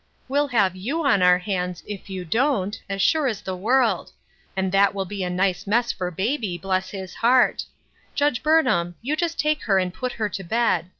We'll have 432 Ruth Erskine's Cro8»e9» you on our hands, if you don't, as sure as the world ; and that will be a nice mess for baby, bless his heart. Judge Burnham, you just take her and put her to bed.